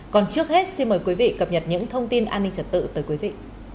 còn trước hết xin mời quý vị cập nhật những thông tin an ninh trật tự tới quý vị